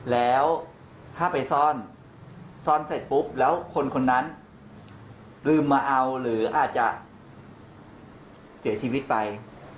แล้วถ้าไปซ่อนซ่อนเสร็จปุ๊บแล้วคนคนนั้นลืมมาเอาหรืออาจจะเสียชีวิตไป